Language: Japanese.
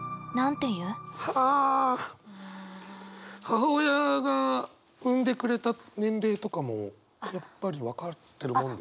母親が産んでくれた年齢とかもやっぱり分かってるもんですか？